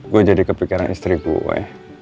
gue jadi kepikiran istri gue